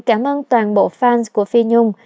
cảm ơn toàn bộ fans của phi nhung